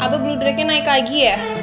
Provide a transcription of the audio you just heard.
abah bluedrakenya naik lagi ya